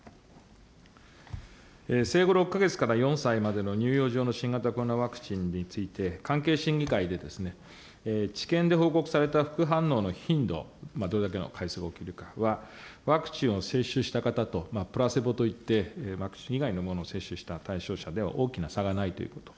生後６か月から４歳までの乳幼児用の新型コロナワクチンについて、関係審議会で治験で報告された副反応の頻度、どれだけの回数が起きるかは、ワクチンを接種した方と、プラセボといって、ワクチン以外のものを接種した対象者では大きな差がないということ。